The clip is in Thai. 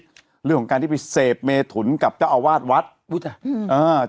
เรื่องของการที่ไปเสพเมทุนกับเจ้าอาวาสวัสตร์